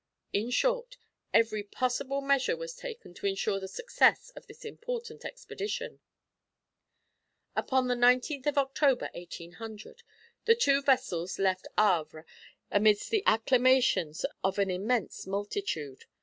In short, every possible measure was taken to ensure the success of this important expedition. Upon the 19th of October, 1800, the two vessels left Havre amidst the acclamations of an immense multitude.